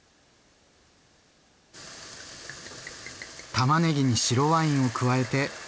たまねぎに白ワインを加えて。